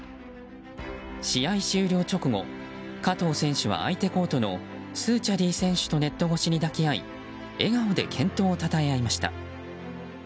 試合終了直後加藤選手は相手コートのスーチャディ選手とネット越しに抱き合い笑顔で健闘をたたえ合いました。